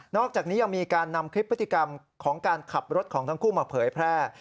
อกจากนี้ยังมีการนำคลิปพฤติกรรมของการขับรถของทั้งคู่มาเผยแพร่